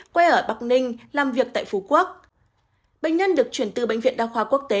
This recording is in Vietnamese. quê ở bắc ninh làm việc tại phú quốc bệnh nhân được chuyển từ bệnh viện đa khoa quốc tế